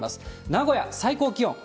名古屋、最高気温。